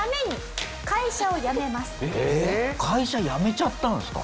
会社辞めちゃったんですか？